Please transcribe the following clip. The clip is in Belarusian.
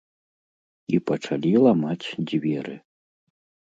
І пачалі ламаць дзверы.